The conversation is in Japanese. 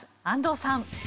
安藤さん。